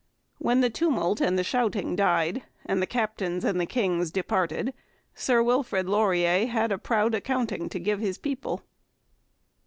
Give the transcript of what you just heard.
When the tumult and the shouting died and the Captains and the Kings departed, Sir Wilfrid Laurier had a proud accounting to give his people.